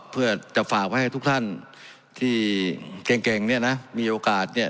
เพราะมันก็มีเท่านี้นะเพราะมันก็มีเท่านี้นะ